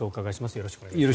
よろしくお願いします。